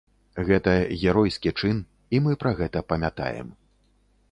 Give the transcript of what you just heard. Гэта геройскі чын і мы пра гэта памятаем.